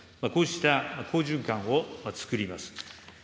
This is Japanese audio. こうした好循環をつくります。